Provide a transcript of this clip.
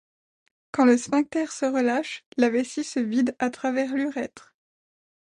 Quand le sphincter se relâche la vessie se vide à travers l'urètre.